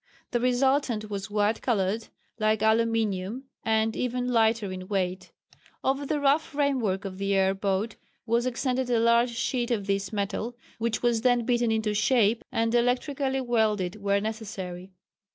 The resultant was white coloured, like aluminium, and even lighter in weight. Over the rough framework of the air boat was extended a large sheet of this metal which was then beaten into shape and electrically welded where necessary.